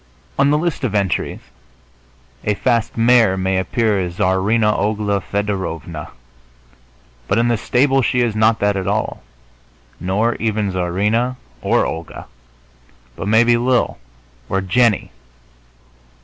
On the list of entries a fast mare may appear as Czarina Ogla Fedorovna, but in the stable she is not that at all, nor even Czarina or Olga, but maybe Lil or Jennie.